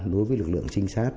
đối với lực lượng trinh sát